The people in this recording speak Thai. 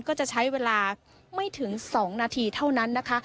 ก็จะใช้เวลาไม่ถึง๒นาทีเท่านั้นนะคะ